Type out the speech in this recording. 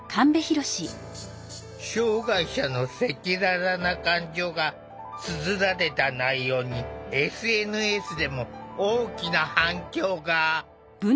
障害者の赤裸々な感情がつづられた内容にＳＮＳでも大きな反響が。